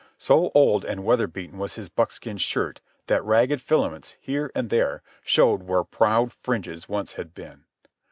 So old and weather beaten was his buckskin shirt that ragged filaments, here and there, showed where proud fringes once had been.